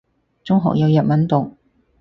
中學有日文讀